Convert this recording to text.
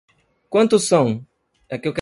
Quantos são?